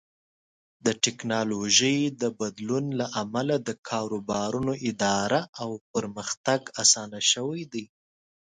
د ټکنالوژۍ د بدلون له امله د کاروبارونو اداره او پرمختګ اسان شوی دی.